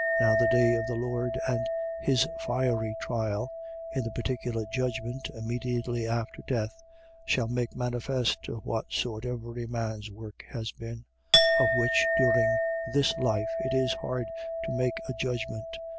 Now the day of the Lord, and his fiery trial, (in the particular judgment immediately after death,) shall make manifest of what sort every man's work has been: of which, during this life, it is hard to make a judgment.